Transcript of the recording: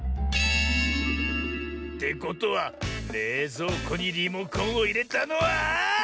てことはれいぞうこにリモコンをいれたのは。